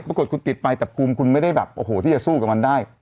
ปรากฏคุณติดไปแต่ภูมิคุณไม่ได้แบบโอ้โหที่จะสู้กับมันได้